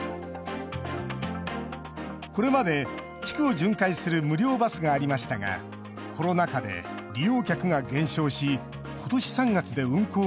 これまで地区を巡回する無料バスがありましたがコロナ禍で利用客が減少し今年３月で運行が終了。